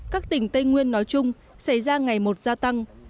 các tỉnh tây nguyên nói chung xảy ra ngày một gia tăng